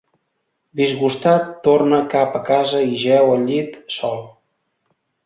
Disgustat, torna cap a casa i jeu al llit, sol.